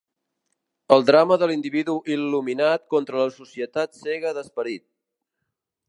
El drama de l'individu il·luminat contra la societat cega d'esperit